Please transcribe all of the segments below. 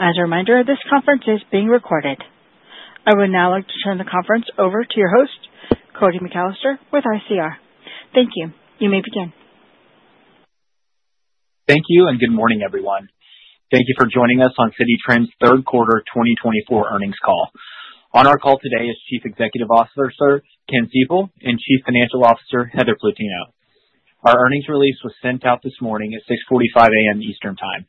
As a reminder, this conference is being recorded. I would now like to turn the conference over to your host, Cody McAllister, with ICR. Thank you. You may begin. Thank you, and good morning, everyone. Thank you for joining us on Citi Trends' third quarter 2024 earnings call. On our call today is Chief Executive Officer Ken Seipel and Chief Financial Officer Heather Plutino. Our earnings release was sent out this morning at 6:45 A.M. Eastern Time.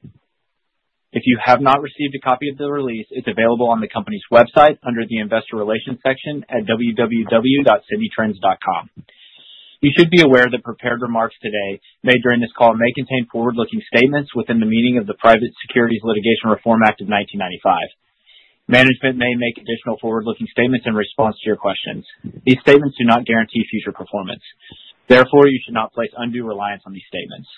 If you have not received a copy of the release, it's available on the company's website under the Investor Relations section at www.cititrends.com. You should be aware that prepared remarks today made during this call may contain forward-looking statements within the meaning of the Private Securities Litigation Reform Act of 1995. Management may make additional forward-looking statements in response to your questions. These statements do not guarantee future performance. Therefore, you should not place undue reliance on these statements.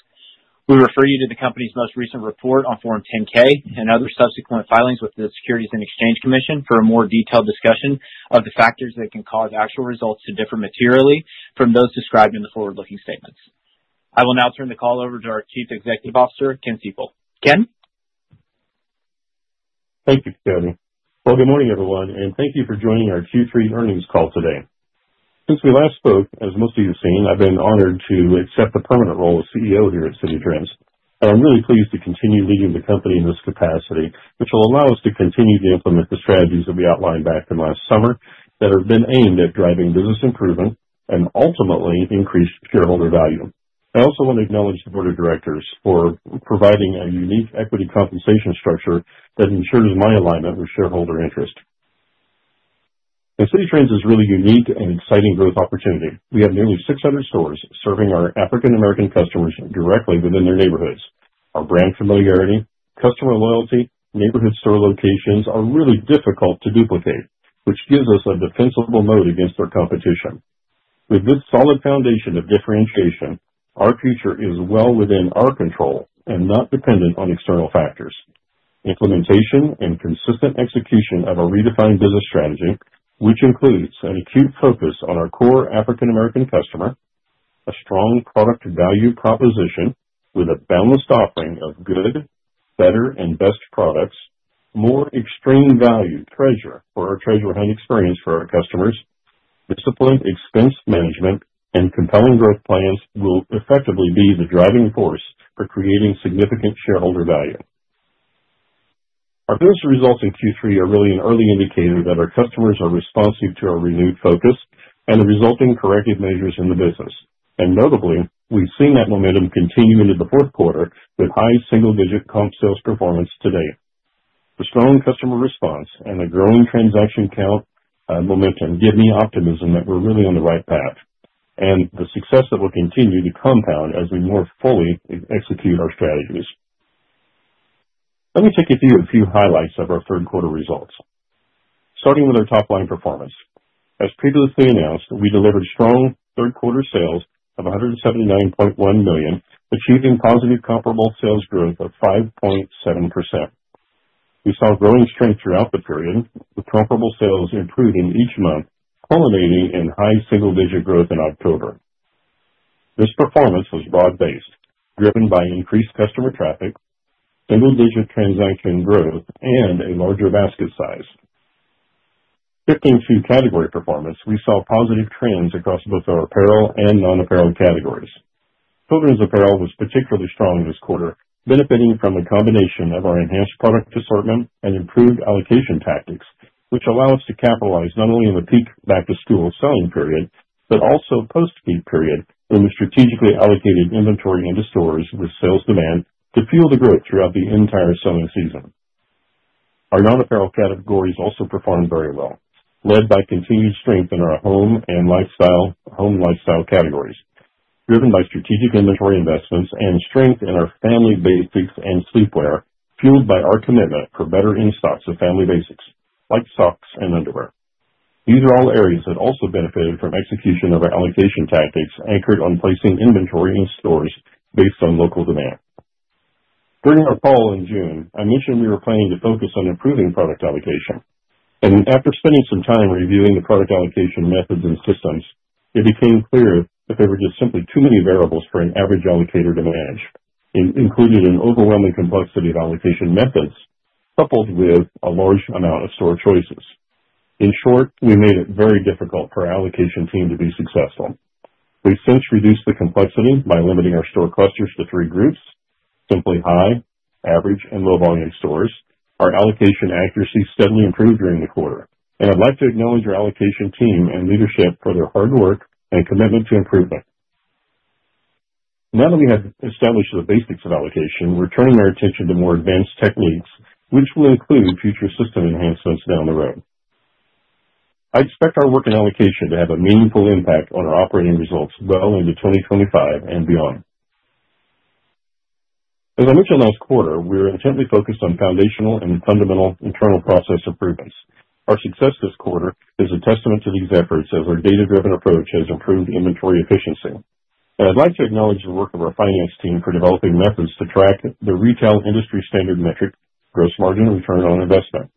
We refer you to the company's most recent report on Form 10-K and other subsequent filings with the Securities and Exchange Commission for a more detailed discussion of the factors that can cause actual results to differ materially from those described in the forward-looking statements. I will now turn the call over to our Chief Executive Officer, Ken Seipel. Ken? Thank you, Cody. Good morning, everyone, and thank you for joining our Q3 earnings call today. Since we last spoke, as most of you have seen, I've been honored to accept the permanent role of CEO here at Citi Trends. I'm really pleased to continue leading the company in this capacity, which will allow us to continue to implement the strategies that we outlined back in last summer that have been aimed at driving business improvement and ultimately increased shareholder value. I also want to acknowledge the board of directors for providing a unique equity compensation structure that ensures my alignment with shareholder interest. Citi Trends is really a unique and exciting growth opportunity. We have nearly 600 stores serving our African American customers directly within their neighborhoods. Our brand familiarity, customer loyalty, and neighborhood store locations are really difficult to duplicate, which gives us a defensible moat against our competition. With this solid foundation of differentiation, our future is well within our control and not dependent on external factors. Implementation and consistent execution of our redefined business strategy, which includes an acute focus on our core African American customer, a strong product value proposition with a balanced offering of good, better, and best products, more extreme value treasure for our treasure hunt experience for our customers, disciplined expense management, and compelling growth plans will effectively be the driving force for creating significant shareholder value. Our business results in Q3 are really an early indicator that our customers are responsive to our renewed focus and the resulting corrective measures in the business. Notably, we've seen that momentum continue into the fourth quarter with high single-digit comp sales performance today. The strong customer response and the growing transaction count momentum give me optimism that we're really on the right path and the success that will continue to compound as we more fully execute our strategies. Let me take you through a few highlights of our third quarter results. Starting with our top-line performance. As previously announced, we delivered strong third-quarter sales of $179.1 million, achieving positive comparable sales growth of 5.7%. We saw growing strength throughout the period, with comparable sales improving each month, culminating in high single-digit growth in October. This performance was broad-based, driven by increased customer traffic, single-digit transaction growth, and a larger basket size. Shifting to category performance, we saw positive trends across both our apparel and non-apparel categories. Children's apparel was particularly strong this quarter, benefiting from a combination of our enhanced product assortment and improved allocation tactics, which allow us to capitalize not only in the peak back-to-school selling period but also post-peak period when we strategically allocated inventory into stores with sales demand to fuel the growth throughout the entire selling season. Our non-apparel categories also performed very well, led by continued strength in our home and lifestyle categories, driven by strategic inventory investments and strength in our family basics and sleepwear, fueled by our commitment for better in-stocks of family basics like socks and underwear. These are all areas that also benefited from execution of our allocation tactics anchored on placing inventory in stores based on local demand. During our call in June, I mentioned we were planning to focus on improving product allocation. After spending some time reviewing the product allocation methods and systems, it became clear that there were just simply too many variables for an average allocator to manage, including an overwhelming complexity of allocation methods coupled with a large amount of store choices. In short, we made it very difficult for our allocation team to be successful. We've since reduced the complexity by limiting our store clusters to three groups: simply high, average, and low-volume stores. Our allocation accuracy steadily improved during the quarter. I'd like to acknowledge our allocation team and leadership for their hard work and commitment to improvement. Now that we have established the basics of allocation, we're turning our attention to more advanced techniques, which will include future system enhancements down the road. I expect our work in allocation to have a meaningful impact on our operating results well into 2025 and beyond. As I mentioned last quarter, we were intently focused on foundational and fundamental internal process improvements. Our success this quarter is a testament to these efforts as our data-driven approach has improved inventory efficiency. And I'd like to acknowledge the work of our finance team for developing methods to track the retail industry standard metric, gross margin return on investment,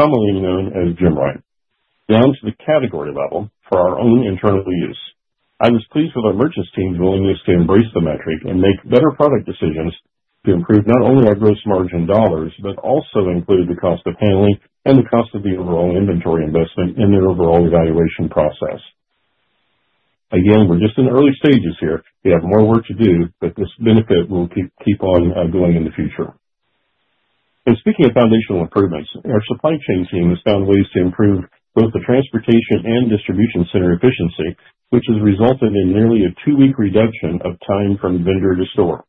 commonly known as GMROI, down to the category level for our own internal use. I was pleased with our merchants' team's willingness to embrace the metric and make better product decisions to improve not only our gross margin dollars but also include the cost of handling and the cost of the overall inventory investment in their overall evaluation process. Again, we're just in early stages here. We have more work to do, but this benefit will keep on going in the future. Speaking of foundational improvements, our supply chain team has found ways to improve both the transportation and distribution center efficiency, which has resulted in nearly a two-week reduction of time from vendor to store.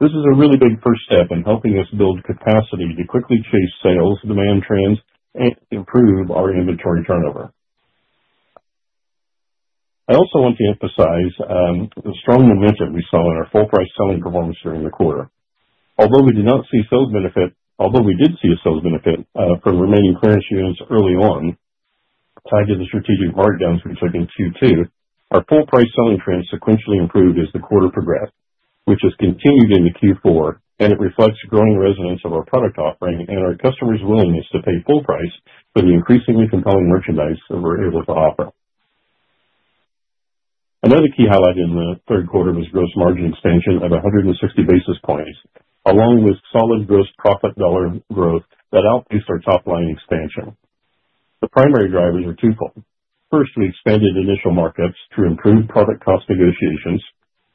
This is a really big first step in helping us build capacity to quickly chase sales demand trends and improve our inventory turnover. I also want to emphasize the strong momentum we saw in our full-price selling performance during the quarter. Although we did see a sales benefit from remaining clearance units early on tied to the strategic markdowns we took in Q2, our full-price selling trends sequentially improved as the quarter progressed, which has continued into Q4, and it reflects growing resonance of our product offering and our customers' willingness to pay full price for the increasingly compelling merchandise that we're able to offer. Another key highlight in the third quarter was gross margin expansion of 160 basis points, along with solid gross profit dollar growth that outpaced our top-line expansion. The primary drivers are twofold. First, we expanded initial markups to improve product cost negotiations,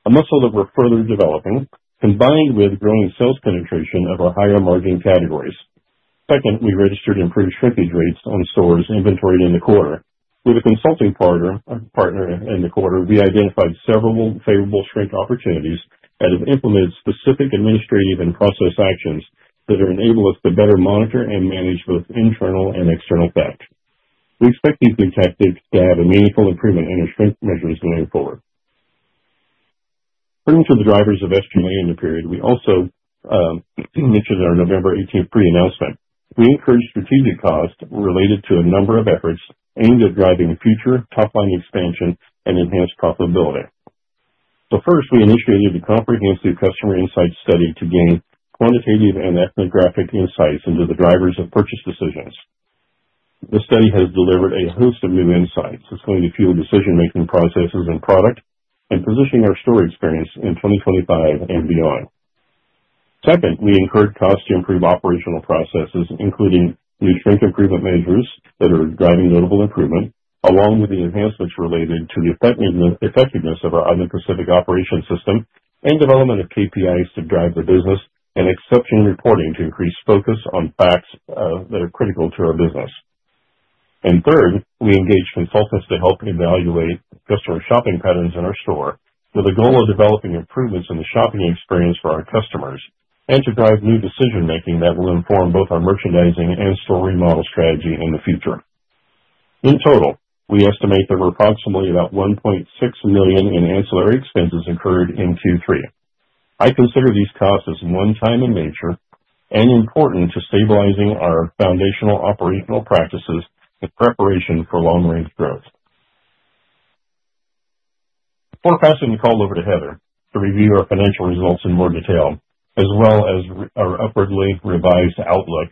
a muscle that we're further developing, combined with growing sales penetration of our higher margin categories. Second, we registered improved shrinkage rates on stores inventoried in the quarter. With a consulting partner in the quarter, we identified several favorable shrink opportunities that have implemented specific administrative and process actions that enable us to better monitor and manage both internal and external theft. We expect these new tactics to have a meaningful improvement in our shrink measures moving forward. Turning to the drivers of SG&A in the period, we also mentioned our November 18th pre-announcement. We incurred strategic cost related to a number of efforts aimed at driving future top-line expansion and enhanced profitability. So first, we initiated a comprehensive customer insight study to gain quantitative and ethnographic insights into the drivers of purchase decisions. This study has delivered a host of new insights that's going to fuel decision-making processes and product and positioning our store experience in 2025 and beyond. Second, we incurred costs to improve operational processes, including new shrink improvement measures that are driving notable improvement, along with the enhancements related to the effectiveness of our Island Pacific operations system and development of KPIs to drive the business and exception reporting to increase focus on facts that are critical to our business. Third, we engaged consultants to help evaluate customer shopping patterns in our store with a goal of developing improvements in the shopping experience for our customers and to drive new decision-making that will inform both our merchandising and store remodel strategy in the future. In total, we estimate there were approximately about $1.6 million in ancillary expenses incurred in Q3. I consider these costs as one-time in nature and important to stabilizing our foundational operational practices in preparation for long-range growth. Before passing the call over to Heather to review our financial results in more detail, as well as our upwardly revised outlook,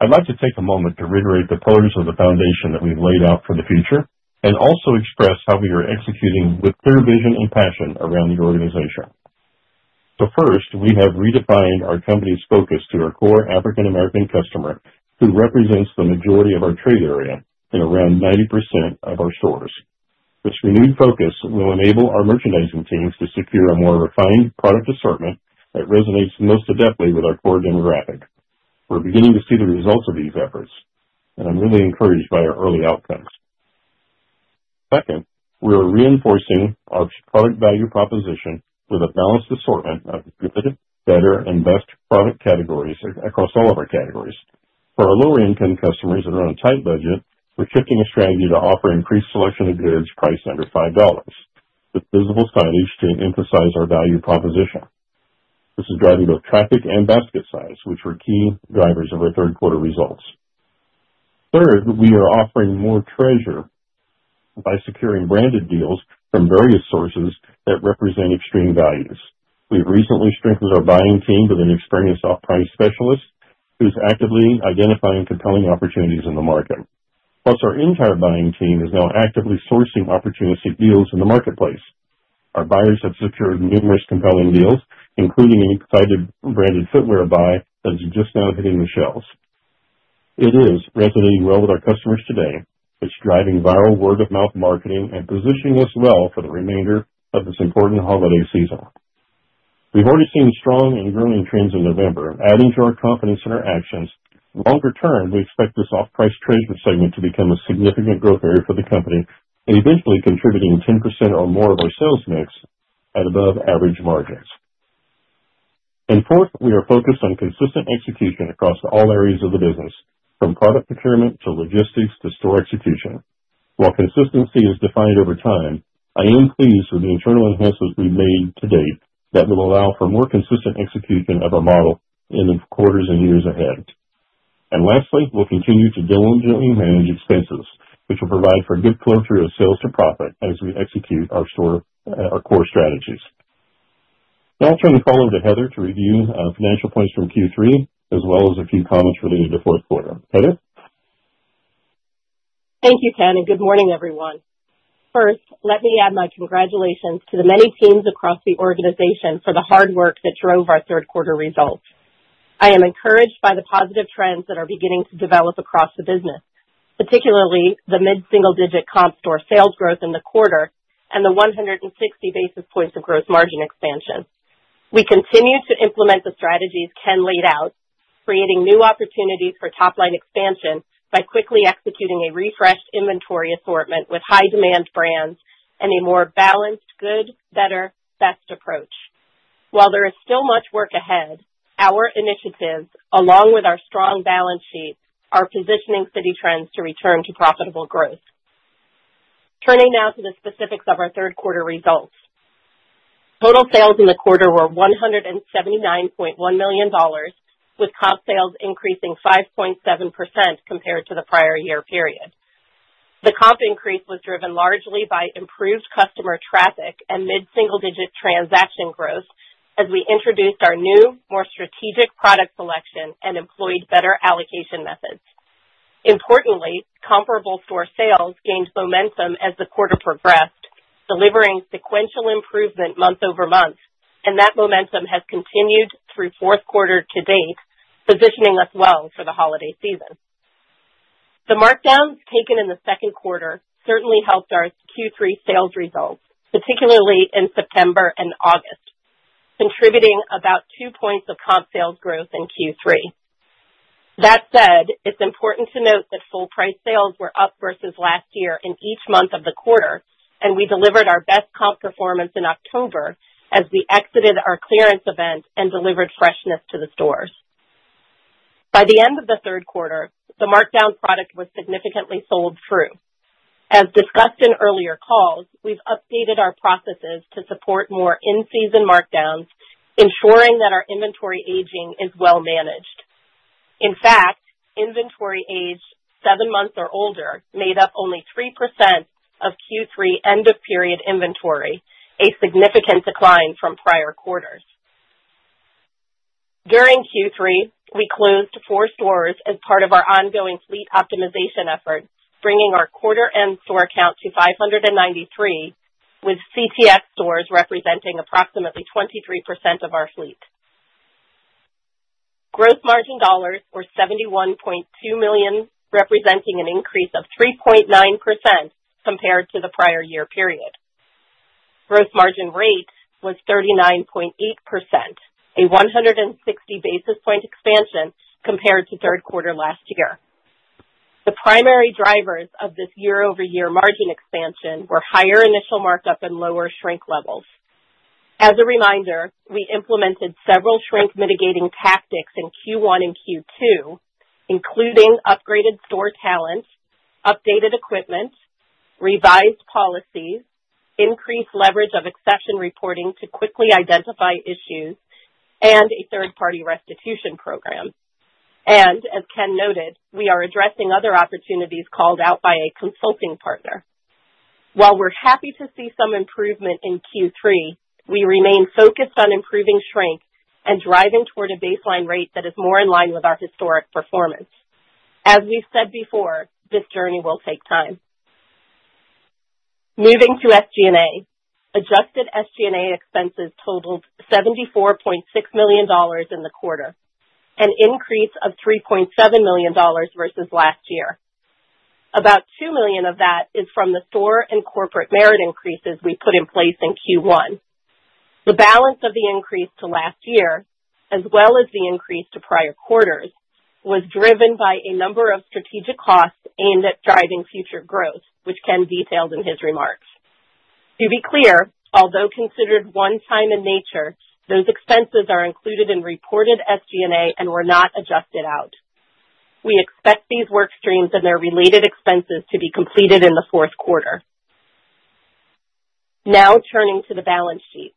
I'd like to take a moment to reiterate the pillars of the foundation that we've laid out for the future and also express how we are executing with clear vision and passion around the organization. First, we have redefined our company's focus to our core African American customer, who represents the majority of our trade area and around 90% of our stores. This renewed focus will enable our merchandising teams to secure a more refined product assortment that resonates most adeptly with our core demographic. We're beginning to see the results of these efforts, and I'm really encouraged by our early outcomes. Second, we are reinforcing our product value proposition with a balanced assortment of good, better, and best product categories across all of our categories. For our lower-income customers that are on a tight budget, we're shifting a strategy to offer increased selection of goods priced under $5, with visible signage to emphasize our value proposition. This is driving both traffic and basket size, which were key drivers of our third-quarter results. Third, we are offering more treasure by securing branded deals from various sources that represent extreme values. We've recently strengthened our buying team with an experienced off-price specialist who's actively identifying compelling opportunities in the market. Plus, our entire buying team is now actively sourcing opportunistic deals in the marketplace. Our buyers have secured numerous compelling deals, including an excited branded footwear buy that's just now hitting the shelves. It is resonating well with our customers today. It's driving viral word-of-mouth marketing and positioning us well for the remainder of this important holiday season. We've already seen strong and growing trends in November, adding to our confidence in our actions. Longer term, we expect this off-price treasure segment to become a significant growth area for the company and eventually contributing 10% or more of our sales mix at above-average margins. And fourth, we are focused on consistent execution across all areas of the business, from product procurement to logistics to store execution. While consistency is defined over time, I am pleased with the internal enhancements we've made to date that will allow for more consistent execution of our model in the quarters and years ahead. And lastly, we'll continue to diligently manage expenses, which will provide for good flow through of sales to profit as we execute our core strategies. Now I'll turn the call over to Heather to review financial points from Q3, as well as a few comments related to fourth quarter. Heather? Thank you, Ken, and good morning, everyone. First, let me add my congratulations to the many teams across the organization for the hard work that drove our third-quarter results. I am encouraged by the positive trends that are beginning to develop across the business, particularly the mid-single-digit comp store sales growth in the quarter and the 160 basis points of gross margin expansion. We continue to implement the strategies Ken laid out, creating new opportunities for top-line expansion by quickly executing a refreshed inventory assortment with high-demand brands and a more balanced good, better, best approach. While there is still much work ahead, our initiatives, along with our strong balance sheet, are positioning Citi Trends to return to profitable growth. Turning now to the specifics of our third-quarter results. Total sales in the quarter were $179.1 million, with comp sales increasing 5.7% compared to the prior year period. The comp increase was driven largely by improved customer traffic and mid-single-digit transaction growth as we introduced our new, more strategic product selection and employed better allocation methods. Importantly, comparable store sales gained momentum as the quarter progressed, delivering sequential improvement month over month, and that momentum has continued through fourth quarter to date, positioning us well for the holiday season. The markdowns taken in the second quarter certainly helped our Q3 sales results, particularly in September and August, contributing about two points of comp sales growth in Q3. That said, it's important to note that full-price sales were up versus last year in each month of the quarter, and we delivered our best comp performance in October as we exited our clearance event and delivered freshness to the stores. By the end of the third quarter, the markdown product was significantly sold through. As discussed in earlier calls, we've updated our processes to support more in-season markdowns, ensuring that our inventory aging is well-managed. In fact, inventory aged seven months or older made up only 3% of Q3 end-of-period inventory, a significant decline from prior quarters. During Q3, we closed four stores as part of our ongoing fleet optimization effort, bringing our quarter-end store count to 593, with CTX stores representing approximately 23% of our fleet. Gross margin dollars were $71.2 million, representing an increase of 3.9% compared to the prior year period. Gross margin rate was 39.8%, a 160 basis point expansion compared to third quarter last year. The primary drivers of this year-over-year margin expansion were higher initial markup and lower shrink levels. As a reminder, we implemented several shrink mitigating tactics in Q1 and Q2, including upgraded store talent, updated equipment, revised policies, increased leverage of exception reporting to quickly identify issues, and a third-party restitution program. As Ken noted, we are addressing other opportunities called out by a consulting partner. While we're happy to see some improvement in Q3, we remain focused on improving shrink and driving toward a baseline rate that is more in line with our historic performance. As we've said before, this journey will take time. Moving to SG&A, adjusted SG&A expenses totaled $74.6 million in the quarter, an increase of $3.7 million versus last year. About $2 million of that is from the store and corporate merit increases we put in place in Q1. The balance of the increase to last year, as well as the increase to prior quarters, was driven by a number of strategic costs aimed at driving future growth, which Ken detailed in his remarks. To be clear, although considered one-time in nature, those expenses are included in reported SG&A and were not adjusted out. We expect these work streams and their related expenses to be completed in the fourth quarter. Now turning to the balance sheet,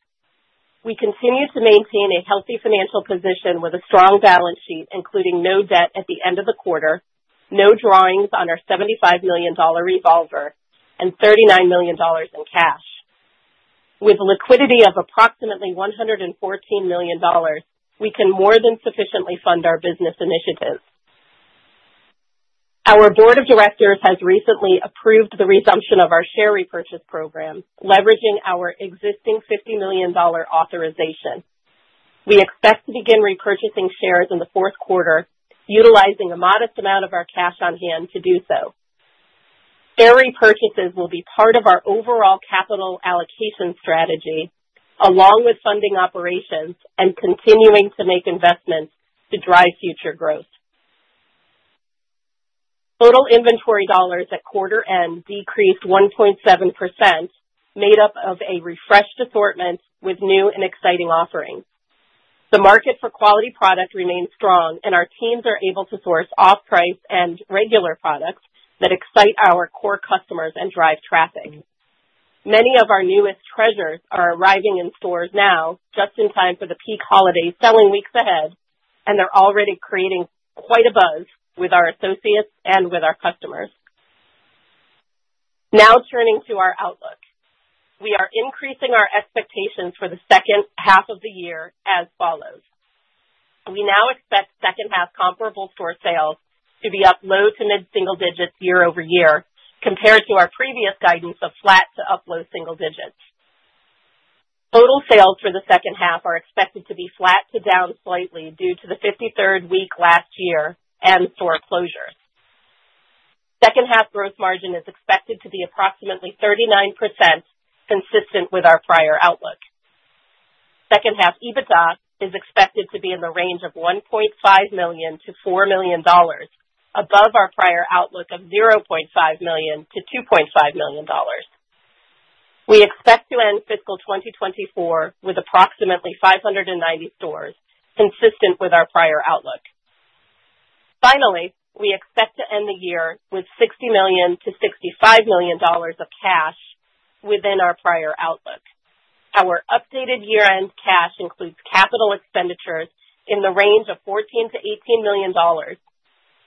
we continue to maintain a healthy financial position with a strong balance sheet, including no debt at the end of the quarter, no drawings on our $75 million revolver, and $39 million in cash. With liquidity of approximately $114 million, we can more than sufficiently fund our business initiatives. Our board of directors has recently approved the resumption of our share repurchase program, leveraging our existing $50 million authorization. We expect to begin repurchasing shares in the fourth quarter, utilizing a modest amount of our cash on hand to do so. Share repurchases will be part of our overall capital allocation strategy, along with funding operations and continuing to make investments to drive future growth. Total inventory dollars at quarter-end decreased 1.7%, made up of a refreshed assortment with new and exciting offerings. The market for quality product remains strong, and our teams are able to source off-price and regular products that excite our core customers and drive traffic. Many of our newest treasures are arriving in stores now, just in time for the peak holiday selling weeks ahead, and they're already creating quite a buzz with our associates and with our customers. Now turning to our outlook, we are increasing our expectations for the second half of the year as follows. We now expect second-half comparable store sales to be up low to mid-single digits year over year compared to our previous guidance of flat to up low single digits. Total sales for the second half are expected to be flat to down slightly due to the 53rd week last year and store closures. Second-half gross margin is expected to be approximately 39%, consistent with our prior outlook. Second-half EBITDA is expected to be in the range of $1.5 million-$4 million, above our prior outlook of $0.5 million-$2.5 million. We expect to end fiscal 2024 with approximately 590 stores, consistent with our prior outlook. Finally, we expect to end the year with $60 million-$65 million of cash within our prior outlook. Our updated year-end cash includes capital expenditures in the range of $14 million-$18 million,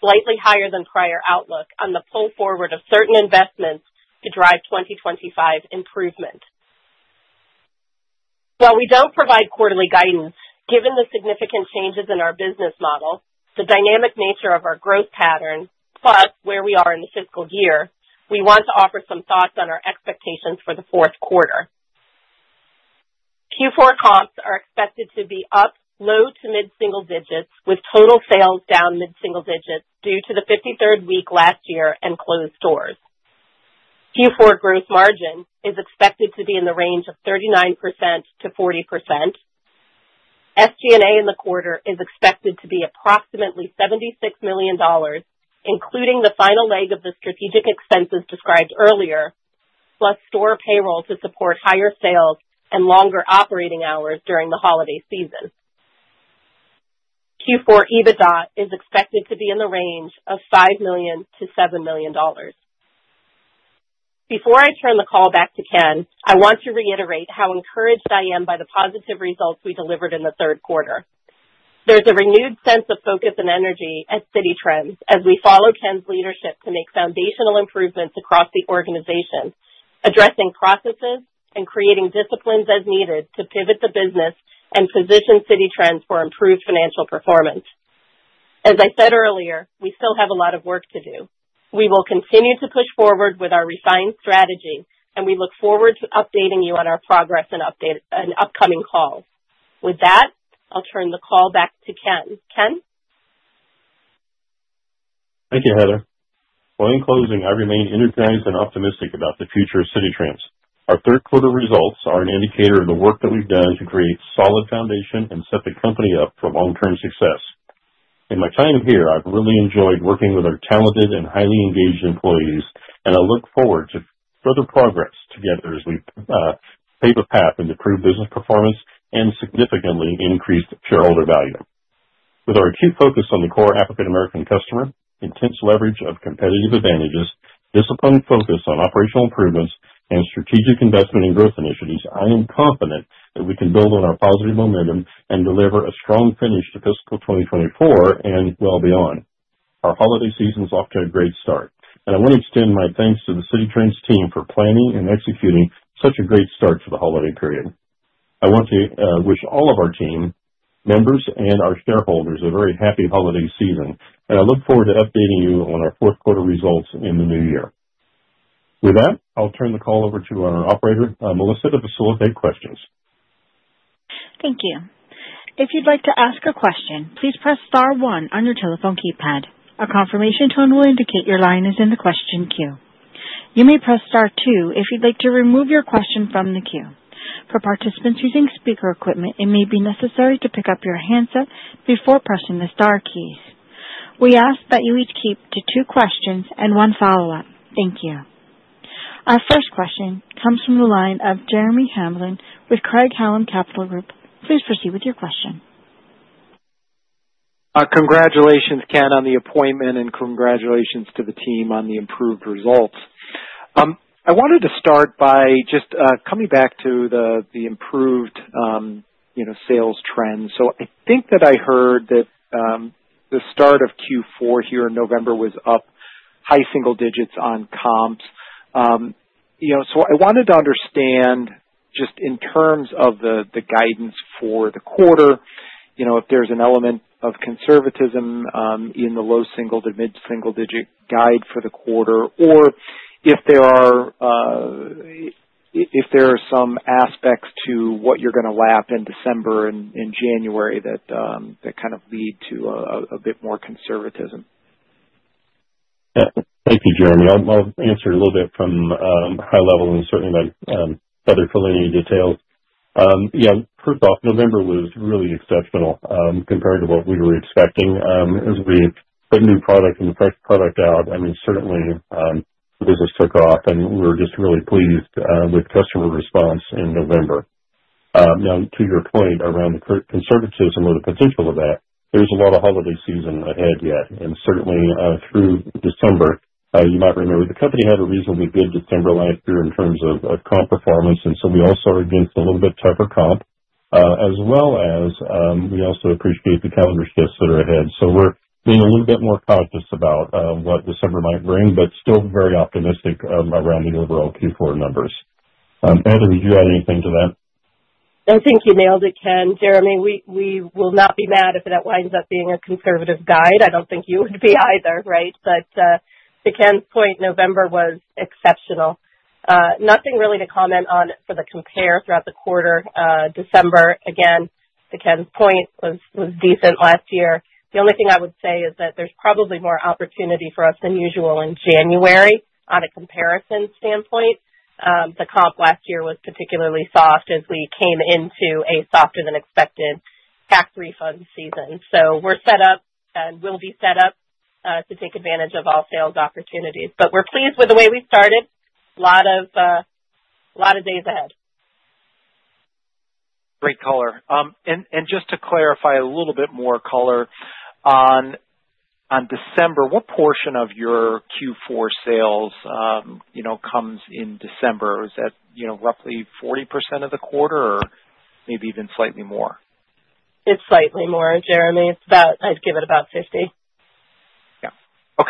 slightly higher than prior outlook on the pull forward of certain investments to drive 2025 improvement. While we don't provide quarterly guidance, given the significant changes in our business model, the dynamic nature of our growth pattern, plus where we are in the fiscal year, we want to offer some thoughts on our expectations for the fourth quarter. Q4 comps are expected to be up low to mid-single digits, with total sales down mid-single digits due to the 53rd week last year and closed stores. Q4 gross margin is expected to be in the range of 39%-40%. SG&A in the quarter is expected to be approximately $76 million, including the final leg of the strategic expenses described earlier, plus store payroll to support higher sales and longer operating hours during the holiday season. Q4 EBITDA is expected to be in the range of $5 million-$7 million. Before I turn the call back to Ken, I want to reiterate how encouraged I am by the positive results we delivered in the third quarter. There's a renewed sense of focus and energy at Citi Trends as we follow Ken's leadership to make foundational improvements across the organization, addressing processes and creating disciplines as needed to pivot the business and position Citi Trends for improved financial performance. As I said earlier, we still have a lot of work to do. We will continue to push forward with our refined strategy, and we look forward to updating you on our progress in upcoming calls. With that, I'll turn the call back to Ken. Ken? Thank you, Heather. Well, in closing, I remain entertained and optimistic about the future of Citi Trends. Our third-quarter results are an indicator of the work that we've done to create a solid foundation and set the company up for long-term success. In my time here, I've really enjoyed working with our talented and highly engaged employees, and I look forward to further progress together as we pave a path into proved business performance and significantly increased shareholder value. With our acute focus on the core African American customer, intense leverage of competitive advantages, disciplined focus on operational improvements, and strategic investment and growth initiatives, I am confident that we can build on our positive momentum and deliver a strong finish to fiscal 2024 and well beyond. Our holiday season is off to a great start, and I want to extend my thanks to the Citi Trends team for planning and executing such a great start to the holiday period. I want to wish all of our team members and our shareholders a very happy holiday season, and I look forward to updating you on our fourth quarter results in the new year. With that, I'll turn the call over to our operator, Melissa, to facilitate questions. Thank you. If you'd like to ask a question, please press star one on your telephone keypad. A confirmation tone will indicate your line is in the question queue. You may press star two if you'd like to remove your question from the queue. For participants using speaker equipment, it may be necessary to pick up your handset before pressing the star keys. We ask that you each keep to two questions and one follow-up. Thank you. Our first question comes from the line of Jeremy Hamblin with Craig-Hallum Capital Group. Please proceed with your question. Congratulations, Ken, on the appointment, and congratulations to the team on the improved results. I wanted to start by just coming back to the improved sales trends. So I think that I heard that the start of Q4 here in November was up high single digits on comps. So I wanted to understand just in terms of the guidance for the quarter, if there's an element of conservatism in the low single to mid-single digit guide for the quarter, or if there are some aspects to what you're going to lap in December and January that kind of lead to a bit more conservatism? Thank you, Jeremy. I'll answer a little bit from high level and certainly further fill any details. First off, November was really exceptional compared to what we were expecting as we put new product and fresh product out. I mean, certainly the business took off, and we were just really pleased with customer response in November. Now, to your point around the conservatism or the potential of that, there's a lot of holiday season ahead yet. And certainly through December, you might remember the company had a reasonably good December last year in terms of comp performance. And so we all saw a little bit tougher comp, as well as we also appreciate the calendar shifts that are ahead. So we're being a little bit more cautious about what December might bring, but still very optimistic around the overall Q4 numbers. Heather, did you add anything to that? I think you nailed it, Ken. Jeremy, we will not be mad if that winds up being a conservative guide. I don't think you would be either, right? But to Ken's point, November was exceptional. Nothing really to comment on for the comps throughout the quarter. December, again, to Ken's point, was decent last year. The only thing I would say is that there's probably more opportunity for us than usual in January on a comps standpoint. The comp last year was particularly soft as we came into a softer-than-expected tax refund season. So we're set up and will be set up to take advantage of all sales opportunities. But we're pleased with the way we started. A lot of days ahead. Great color. And just to clarify a little bit more on December, what portion of your Q4 sales comes in December? Is that roughly 40% of the quarter or maybe even slightly more? It's slightly more, Jeremy. I'd give it about 50%. Yeah.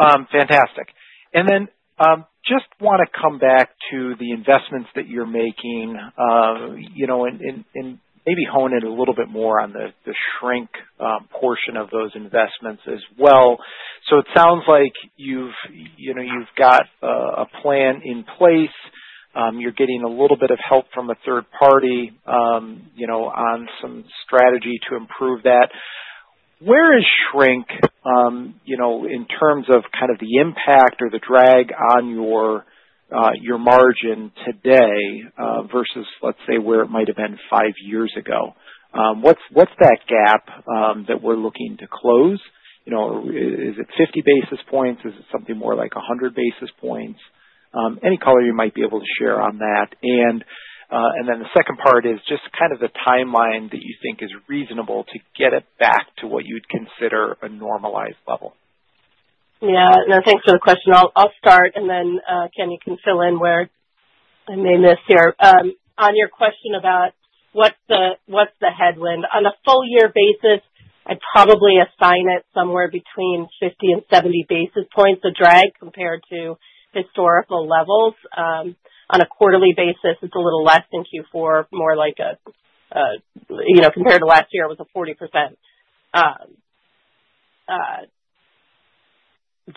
Okay. Fantastic. And then just want to come back to the investments that you're making and maybe hone in a little bit more on the shrink portion of those investments as well. So it sounds like you've got a plan in place. You're getting a little bit of help from a third party on some strategy to improve that. Where is shrink in terms of kind of the impact or the drag on your margin today versus, let's say, where it might have been five years ago? What's that gap that we're looking to close? Is it 50 basis points? Is it something more like 100 basis points? Any color you might be able to share on that. And then the second part is just kind of the timeline that you think is reasonable to get it back to what you'd consider a normalized level. Yeah. No, thanks for the question. I'll start, and then Ken can fill in where I may miss here. On your question about what's the headwind, on a full-year basis, I'd probably assign it somewhere between 50 and 70 basis points, a drag compared to historical levels. On a quarterly basis, it's a little less than Q4, more like a compared to last year, it was a 40%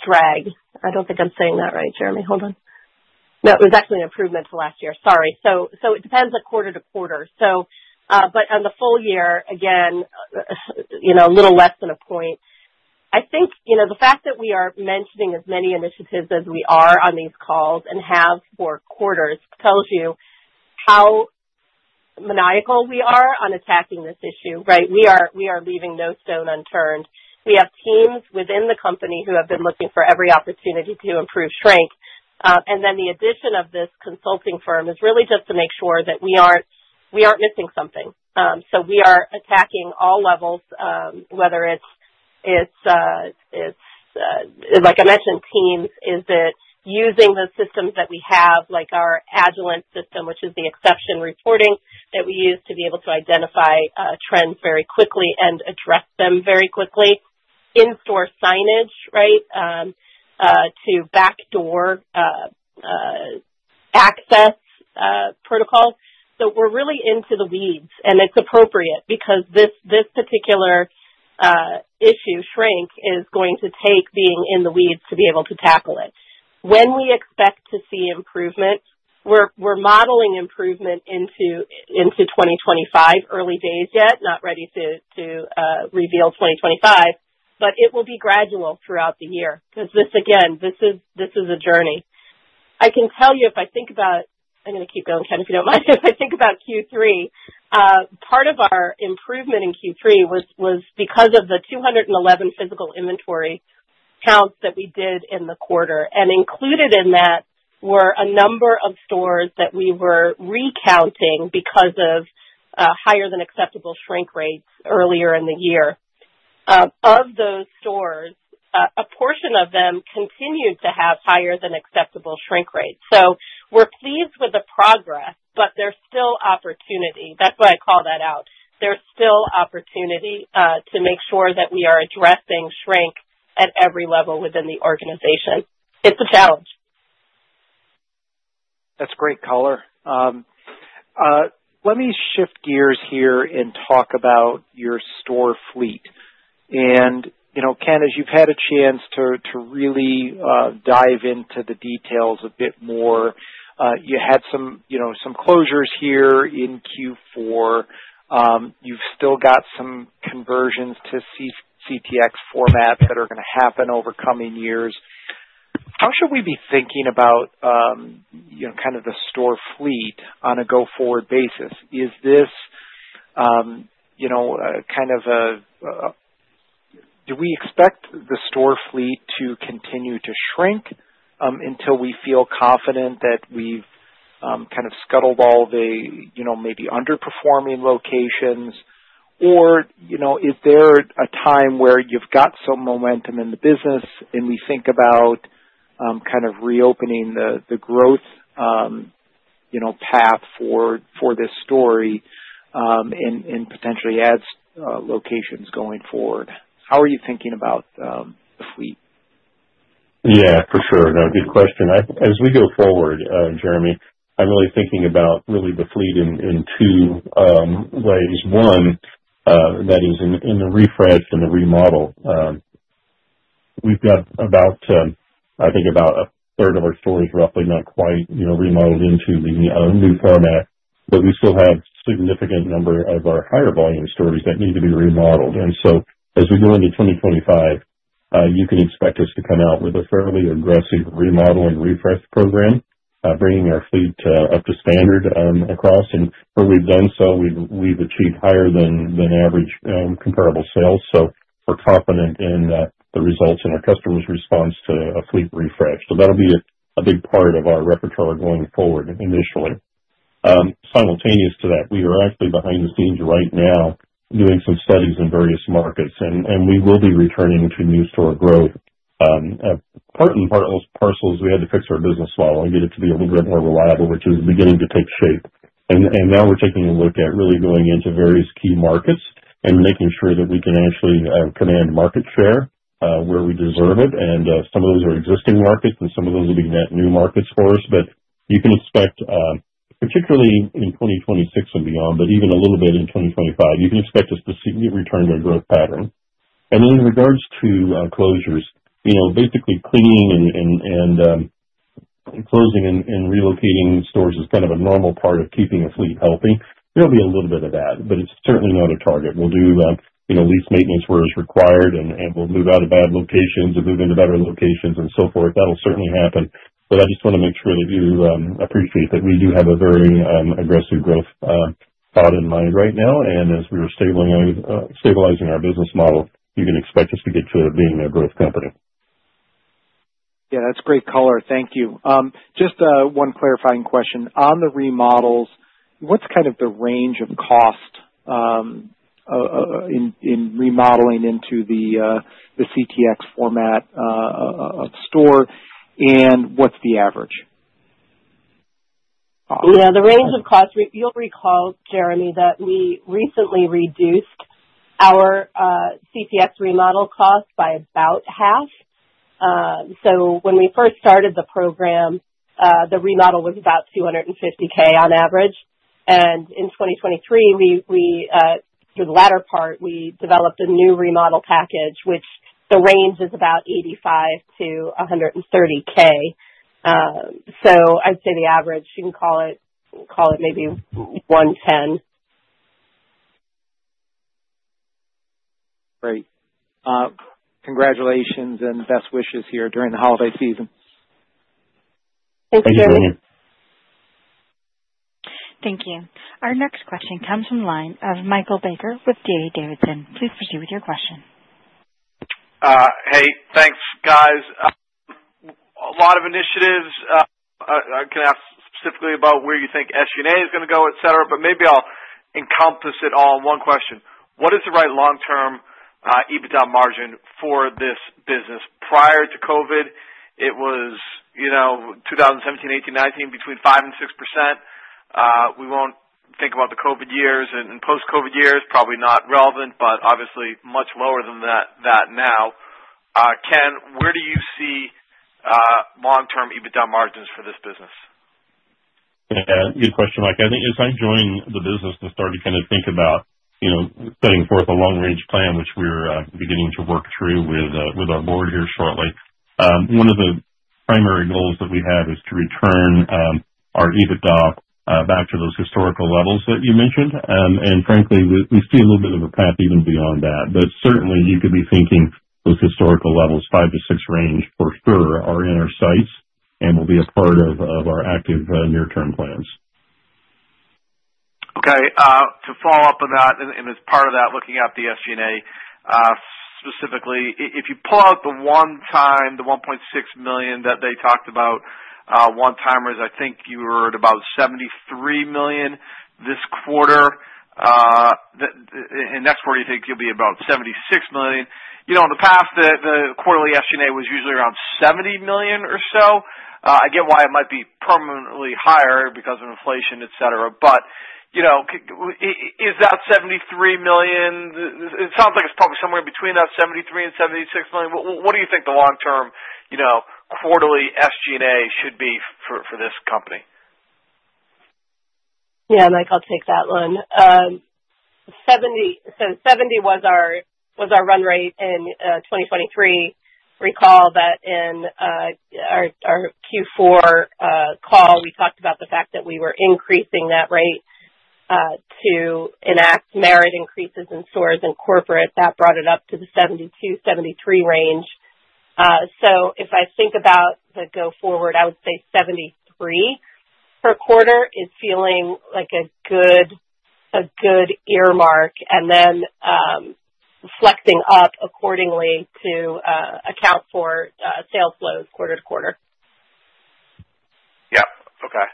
drag. I don't think I'm saying that right, Jeremy. Hold on. No, it was actually an improvement to last year. Sorry. So it depends on quarter to quarter. But on the full year, again, a little less than a point. I think the fact that we are mentioning as many initiatives as we are on these calls and have for quarters tells you how maniacal we are on attacking this issue, right? We are leaving no stone unturned. We have teams within the company who have been looking for every opportunity to improve shrink. And then the addition of this consulting firm is really just to make sure that we aren't missing something. So we are attacking all levels, whether it's, like I mentioned, teams, is it using the systems that we have, like our Agilence system, which is the exception reporting that we use to be able to identify trends very quickly and address them very quickly, in-store signage, right, to backdoor access protocols. So we're really into the weeds, and it's appropriate because this particular issue, shrink, is going to take being in the weeds to be able to tackle it. When we expect to see improvement, we're modeling improvement into 2025, early days yet, not ready to reveal 2025, but it will be gradual throughout the year because, again, this is a journey. I can tell you if I think about, I'm going to keep going, Ken, if you don't mind. If I think about Q3, part of our improvement in Q3 was because of the 211 physical inventory counts that we did in the quarter. And included in that were a number of stores that we were recounting because of higher-than-acceptable shrink rates earlier in the year. Of those stores, a portion of them continued to have higher-than-acceptable shrink rates. So we're pleased with the progress, but there's still opportunity. That's why I call that out. There's still opportunity to make sure that we are addressing shrink at every level within the organization. It's a challenge. That's great color. Let me shift gears here and talk about your store fleet. And, Ken, as you've had a chance to really dive into the details a bit more, you had some closures here in Q4. You've still got some conversions to CTX formats that are going to happen over coming years. How should we be thinking about kind of the store fleet on a go-forward basis? Is this kind of a, do we expect the store fleet to continue to shrink until we feel confident that we've kind of culled all the maybe underperforming locations? Or is there a time where you've got some momentum in the business and we think about kind of reopening the growth path for this store and potentially add locations going forward? How are you thinking about the fleet? Yeah, for sure. That's a good question. As we go forward, Jeremy, I'm really thinking about the fleet in two ways. One, that is in the refresh and the remodel. We've got about, I think, about a third of our stores roughly not quite remodeled into the new format, but we still have a significant number of our higher volume stores that need to be remodeled. And so as we go into 2025, you can expect us to come out with a fairly aggressive remodel and refresh program, bringing our fleet up to standard across. And where we've done so, we've achieved higher than average comparable sales. So we're confident in the results and our customers' response to a fleet refresh. So that'll be a big part of our repertoire going forward initially. Simultaneous to that, we are actually behind the scenes right now doing some studies in various markets, and we will be returning to new store growth. Part and parcel, we had to fix our business model and get it to be a little bit more reliable, which is beginning to take shape, and now we're taking a look at really going into various key markets and making sure that we can actually command market share where we deserve it, and some of those are existing markets, and some of those will be net new markets for us, but you can expect, particularly in 2026 and beyond, but even a little bit in 2025, you can expect a significant return to a growth pattern, and then in regards to closures, basically cleaning and closing and relocating stores is kind of a normal part of keeping a fleet healthy. There'll be a little bit of that, but it's certainly not a target. We'll do lease maintenance where it's required, and we'll move out of bad locations and move into better locations and so forth. That'll certainly happen. But I just want to make sure that you appreciate that we do have a very aggressive growth thought in mind right now. And as we're stabilizing our business model, you can expect us to get to being a growth company. Yeah, that's great, color. Thank you. Just one clarifying question. On the remodels, what's kind of the range of cost in remodeling into the CTX format of store, and what's the average? Yeah, the range of cost, you'll recall, Jeremy, that we recently reduced our CTX remodel cost by about half. So when we first started the program, the remodel was about $250,000 on average. In 2023, through the latter part, we developed a new remodel package, which the range is about $85,000-$130,000. So I'd say the average, you can call it maybe $110,000. Great. Congratulations and best wishes here during the holiday season. Thank you, Jeremy. Thank you. Our next question comes from Michael Baker with D.A. Davidson. Please proceed with your question. Hey, thanks, guys. A lot of initiatives. I can ask specifically about where you think SG&A is going to go, etc., but maybe I'll encompass it all in one question. What is the right long-term EBITDA margin for this business? Prior to COVID, it was 2017, 2018, 2019, between 5%-6%. We won't think about the COVID years and post-COVID years, probably not relevant, but obviously much lower than that now. Ken, where do you see long-term EBITDA margins for this business? Yeah, good question, Mike. I think as I joined the business, I started kind of thinking about setting forth a long-range plan, which we're beginning to work through with our board here shortly. One of the primary goals that we have is to return our EBITDA back to those historical levels that you mentioned, and frankly, we see a little bit of a path even beyond that, but certainly, you could be thinking those historical levels, 5%-6% range for sure, are in our sights and will be a part of our active near-term plans. Okay. To follow up on that, and as part of that, looking at the SG&A specifically, if you pull out the one-time, the $1.6 million that they talked about, one-timers, I think you were at about $73 million this quarter. In next quarter, you think you'll be about $76 million. In the past, the quarterly SG&A was usually around $70 million or so. I get why it might be permanently higher because of inflation, etc. But is that $73 million? It sounds like it's probably somewhere between that $73 million and $76 million. What do you think the long-term quarterly SG&A should be for this company? Yeah, Mike, I'll take that one. So $70 million was our run rate in 2023. Recall that in our Q4 call, we talked about the fact that we were increasing that rate to enact merit increases in stores and corporate. That brought it up to the $72 million-$73 million range. So if I think about the go-forward, I would say $73 million per quarter is feeling like a good earmark and then flexing up accordingly to account for sales flows quarter to quarter. Yep. Okay.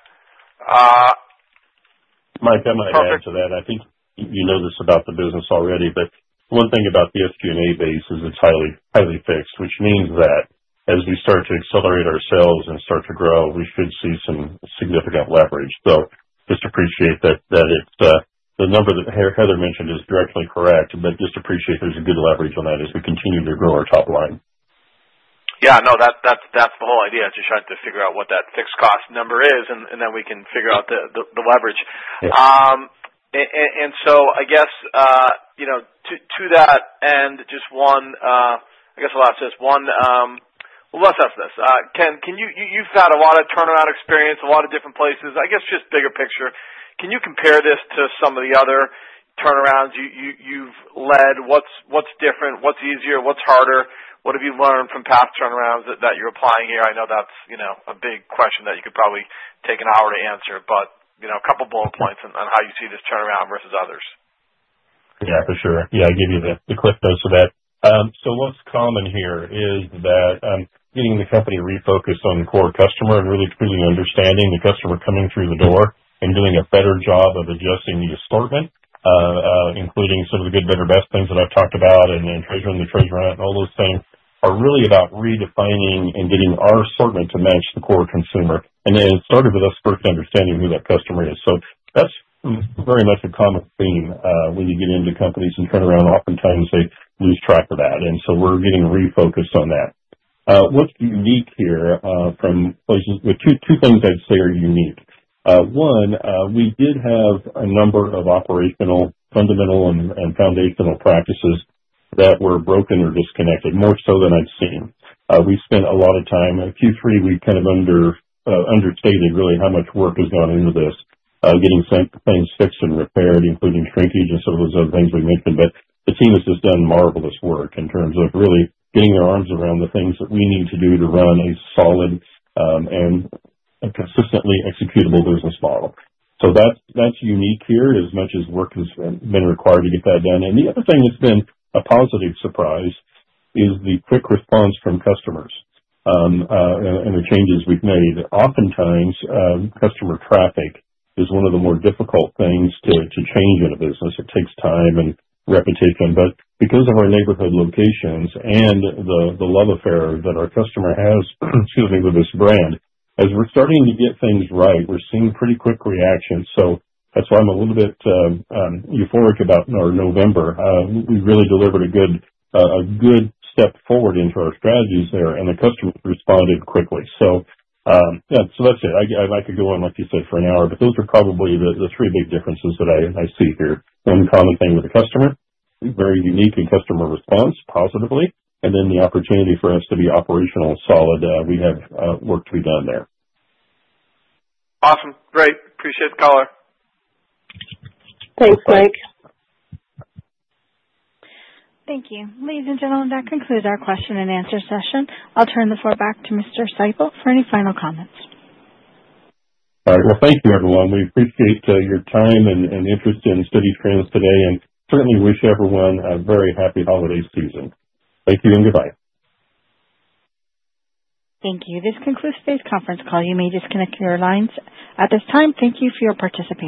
Mike, I might add to that. I think you know this about the business already, but one thing about the SG&A base is it's highly fixed, which means that as we start to accelerate our sales and start to grow, we should see some significant leverage. So just appreciate that the number that Heather mentioned is directly correct, but just appreciate there's a good leverage on that as we continue to grow our top line. Yeah. No, that's the whole idea. Just trying to figure out what that fixed cost number is, and then we can figure out the leverage. And so I guess to that end, just one, I guess a lot says, well, let's ask this. Ken, you've got a lot of turnaround experience, a lot of different places. I guess just bigger picture, can you compare this to some of the other turnarounds you've led? What's different? What's easier? What's harder? What have you learned from past turnarounds that you're applying here? I know that's a big question that you could probably take an hour to answer, but a couple bullet points on how you see this turnaround versus others. Yeah, for sure. Yeah, I'll give you the quick dose of that. So what's common here is that getting the company refocused on core customer and really truly understanding the customer coming through the door and doing a better job of adjusting the assortment, including some of the good, better, best things that I've talked about and then treasure hunt and all those things, are really about redefining and getting our assortment to match the core consumer. And then it started with us first understanding who that customer is. So that's very much a common theme when you get into companies and turnaround. Oftentimes, they lose track of that. And so we're getting refocused on that. What's unique here from places with two things I'd say are unique. One, we did have a number of operational, fundamental, and foundational practices that were broken or disconnected, more so than I've seen. We spent a lot of time in Q3. We kind of understated really how much work has gone into this, getting things fixed and repaired, including shrinkage and some of those other things we mentioned. But the team has just done marvelous work in terms of really getting their arms around the things that we need to do to run a solid and consistently executable business model. So that's unique here as much as work has been required to get that done. And the other thing that's been a positive surprise is the quick response from customers and the changes we've made. Oftentimes, customer traffic is one of the more difficult things to change in a business. It takes time and repetition. But because of our neighborhood locations and the love affair that our customer has, excuse me, with this brand, as we're starting to get things right, we're seeing pretty quick reactions. So that's why I'm a little bit euphoric about our November. We really delivered a good step forward into our strategies there, and the customer responded quickly. So that's it. I could go on, like you said, for an hour, but those are probably the three big differences that I see here. One common thing with the customer, very unique in customer response, positively, and then the opportunity for us to be operationally solid. We have work to be done there. Awesome. Great. Appreciate it, color. Thanks, Mike. Thank you. Ladies and gentlemen, that concludes our question and answer session. I'll turn the floor back to Mr. Seipel for any final comments. All right. Well, thank you, everyone. We appreciate your time and interest in Citi Trends today and certainly wish everyone a very happy holiday season. Thank you and goodbye. Thank you. This concludes today's conference call. You may disconnect your lines at this time. Thank you for your participation.